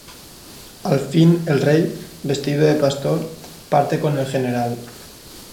Al fin el rey, vestido de pastor, parte con el general.